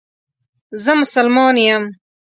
زه مسلمان یم